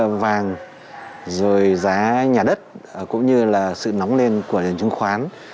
giá vàng rồi giá nhà đất cũng như là sự nóng lên của nền chứng khoán